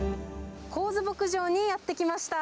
神津牧場にやって来ました。